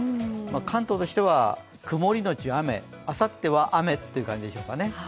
関東としては、曇りのち雨、あさっては雨って感じでしょうかね。